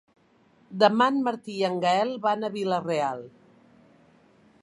Demà en Martí i en Gaël van a Vila-real.